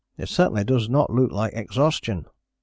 It certainly does not look like exhaustion!"